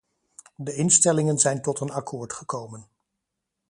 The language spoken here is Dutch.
De instellingen zijn tot een akkoord gekomen.